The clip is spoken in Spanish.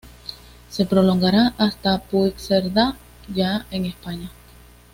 Se prolongará hasta Puigcerdá ya en España.